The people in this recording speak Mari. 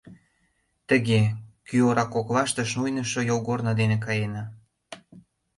Тыге, кӱ ора коклаште шуйнышо йолгорно дене каена.